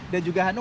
dan juga hanu